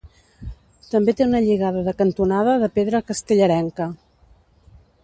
També té una lligada de cantonada de pedra castellarenca.